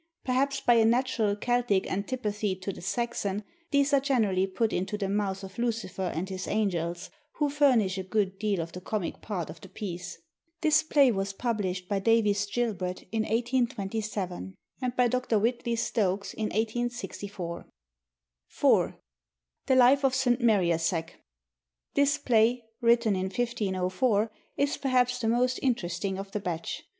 Perhaps by a natural Celtic antipathy to the Saxon, these are generally put into the mouths of Lucifer and his angels, who furnish a good deal of the comic part of the piece. This play was published by Davies Gilbert in 1827, and by Dr. Whitley Stokes in 1864. 4. The Life of St. Meriasek. This play, written in 1504, is perhaps the most interesting of the batch.